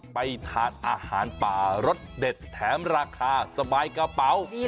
ไปทานอาหารป่ารสเด็ดแถมราคาสบายกระเป๋า